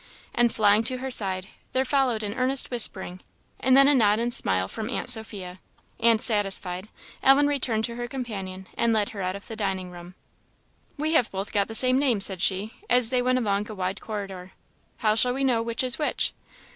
And, flying to her side, there followed an earnest whispering, and then a nod and smile from aunt Sophia; and, satisfied, Ellen returned to her companion, and led her out of the dining room. "We have both got the same name," said she, as they went along a wide corridor; "how shall we know which is which?"